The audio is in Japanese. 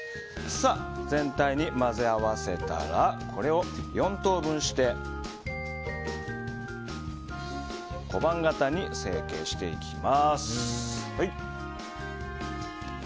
全体に混ぜ合わせたらこれを４等分して小判形に成形していきます。